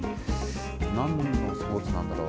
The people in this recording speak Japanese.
なんのスポーツなんだろう？